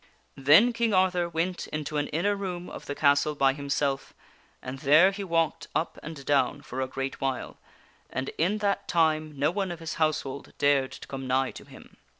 Then King Arthur went into an inner room of the castle by himself, and there he walked up and down for a great while, and in that time no one of his household dared to come nigh to him.